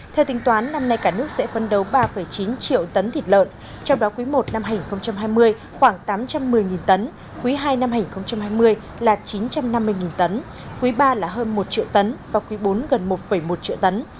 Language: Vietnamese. theo tính toán năm nay cả nước sẽ phân đấu ba chín triệu tấn thịt lợn trong đó quý i năm hai nghìn hai mươi khoảng tám trăm một mươi tấn quý ii năm hai nghìn hai mươi là chín trăm năm mươi tấn quý iii là hơn một triệu tấn và quý bốn gần một một triệu tấn